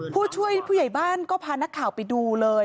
ผู้ช่วยผู้ใหญ่บ้านก็พานักข่าวไปดูเลย